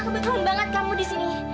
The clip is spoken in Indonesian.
aku betul betul bangat kamu disini